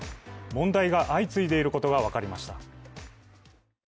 問題が相次いでいることが分かりました。